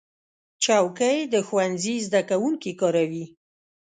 چوکۍ د ښوونځي زده کوونکي کاروي.